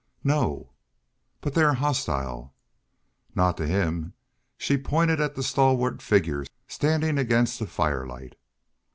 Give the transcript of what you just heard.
"No." "But they are hostile." "Not to him." She pointed at the stalwart figure standing against the firelight.